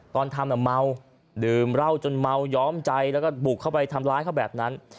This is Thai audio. ตอนทำเมาดื่มเหล้าจนเมาย้อมใจแล้วก็บุกเข้าไปทำร้ายเขาแบบนั้น